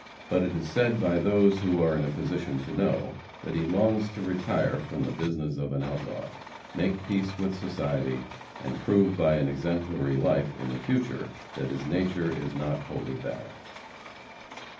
But it is said by those who are in a position to know, that he longs to retire from the business of an outlaw, make peace with society and prove by an exemplary life in the future that his nature is not wholly bad.